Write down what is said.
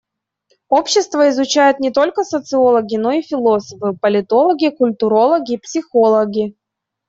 Общество изучают не только социологи, но и философы, политологи, культурологи, психологи.